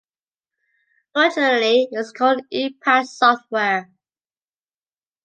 Originally it was called Impact Software.